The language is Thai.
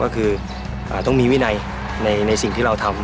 ก็คือต้องมีวินัยในสิ่งที่เราทำ